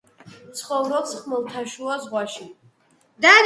ცხოვრობს ხმელთაშუა ზღვაში.